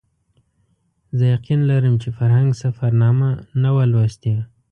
زه یقین لرم چې فرهنګ سفرنامه نه وه لوستې.